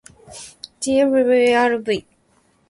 ｇｆｖｒｖ